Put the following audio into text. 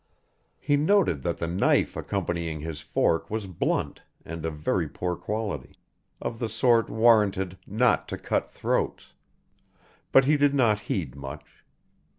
He noted that the knife accompanying his fork was blunt and of very poor quality of the sort warranted not to cut throats, but he did not heed much.